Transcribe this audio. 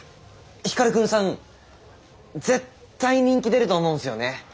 光くんさん絶対人気出ると思うんすよね。